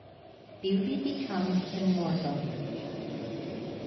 BEAUTY BECOMES IMMORTAL.